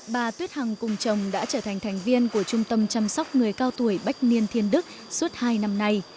bà tuyết hằng cùng chồng đã trở thành thành viên của trung tâm chăm sóc người cao tuổi bách niên thiên đức suốt hai năm nay